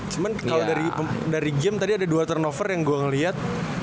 cuman kalau dari game tadi ada dua turnover yang gue ngeliat